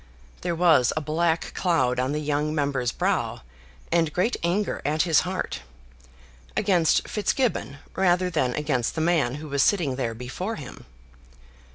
There was a black cloud on the young member's brow, and great anger at his heart, against Fitzgibbon rather than against the man who was sitting there before him.